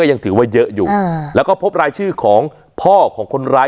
ยังถือว่าเยอะอยู่แล้วก็พบรายชื่อของพ่อของคนร้าย